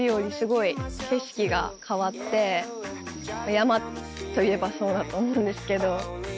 山といえばそうだと思うんですけど。